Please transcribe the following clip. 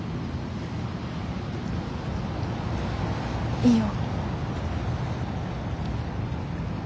いいよ。